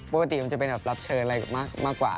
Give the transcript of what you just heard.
ปกติมันจะเป็นรับเชิญมากกว่าครับ